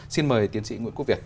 xin mời tiến sĩ nguyễn quốc việt